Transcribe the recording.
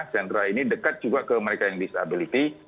sentra ini dekat juga ke mereka yang disabilitas